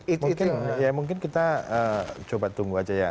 mungkin ya mungkin kita coba tunggu aja ya